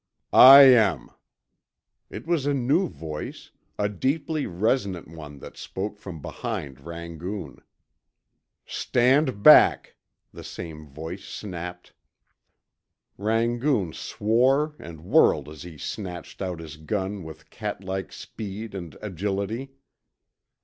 "I am!" It was a new voice, a deeply resonant one that spoke from behind Rangoon. "Stand back," the same voice snapped. Rangoon swore and whirled as he snatched out his gun with catlike speed and agility.